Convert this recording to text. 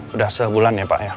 sudah sebulan ya pak ya